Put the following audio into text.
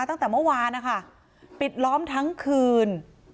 ตั้งแต่เมื่อวานนะคะปิดล้อมทั้งคืน